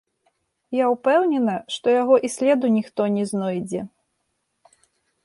Я ўпэўнена, што яго і следу ніхто не знойдзе.